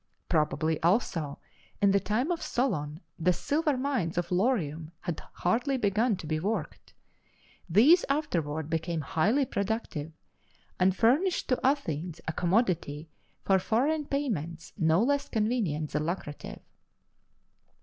Probably also in the time of Solon the silver mines of Laurium had hardly begun to be worked: these afterward became highly productive, and furnished to Athens a commodity for foreign payments no less convenient than lucrative.